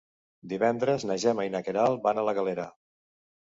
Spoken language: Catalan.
Divendres na Gemma i na Queralt van a la Galera.